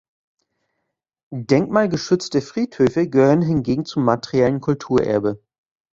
Denkmalgeschützte Friedhöfe gehören hingegen zum materiellen Kulturerbe.